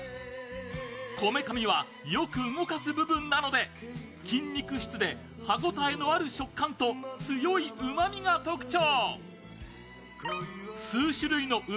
こめかみはよく動かす部分なので筋肉質で歯応えのある食感と強いうまみが特徴。